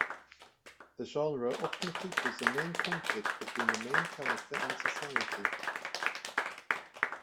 The genre often features a main conflict between the main character and society.